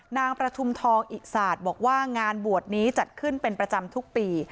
นางประทุมทองอิสาทบอกว่างานบวชนี้จัดขึ้นเป็นประจำทุกปี